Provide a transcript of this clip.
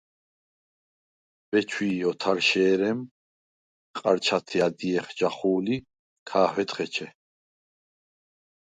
ბეჩვი̄ ოთარშე̄რემ ყა̈რჩათე ადჲეხ ჯახუ̄ლ ი ქა̄ჰვედხ ეჩე.